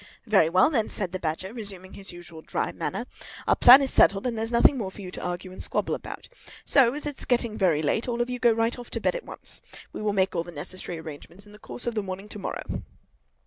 "Very well, then," said the Badger, resuming his usual dry manner, "our plan is settled, and there's nothing more for you to argue and squabble about. So, as it's getting very late, all of you go right off to bed at once. We will make all the necessary arrangements in the course of the morning to morrow."